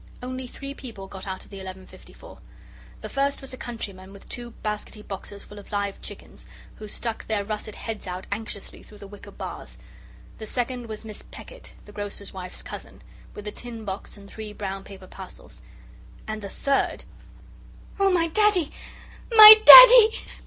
Only three people got out of the 11.54. The first was a countryman with two baskety boxes full of live chickens who stuck their russet heads out anxiously through the wicker bars; the second was Miss Peckitt, the grocer's wife's cousin, with a tin box and three brown paper parcels; and the third "Oh! my Daddy, my Daddy!"